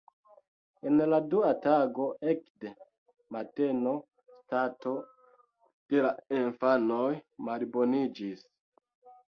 En la dua tago ekde mateno stato de la infanoj malboniĝis.